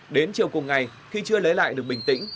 đến chiều cùng ngày khi chưa lấy lại được bình tĩnh